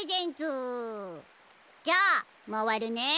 じゃあまわるね。